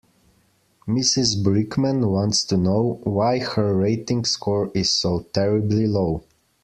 Mrs Brickman wants to know why her rating score is so terribly low.